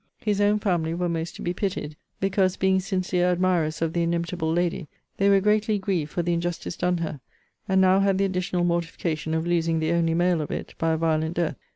His own family were most to be pitied, because, being sincere admirers of the inimitable lady, they were greatly grieved for the injustice done her; and now had the additional mortification of losing the only male of it, by a violent death.